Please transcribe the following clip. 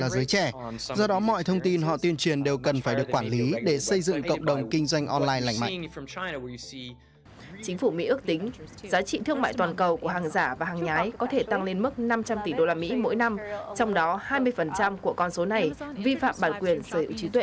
xin kính chào tạm biệt